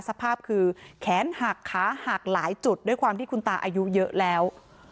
สภาพคือแขนหักขาหักหลายจุดด้วยความที่คุณตาอายุเยอะแล้ว